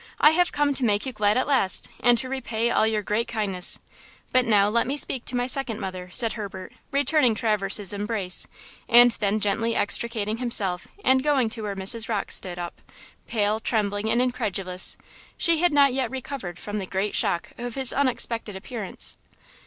I have come to make you glad at last, and to repay all your great kindness; but now let me speak to my second mother," said Herbert, returning Traverse's embrace and then gently extricating himself and going to where Mrs. Rocke stood up, pale, trembling and incredulous; she had not yet recovered from the great shock of his unexpected appearance.